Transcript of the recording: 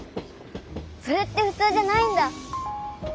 それってふつうじゃないんだ！